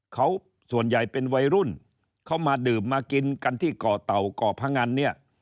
เขาส่วนใหญ่เป็นวัยรุ่นเขามาดื่มมากินกันที่ก่อเต่าก่อพงันเนี่ย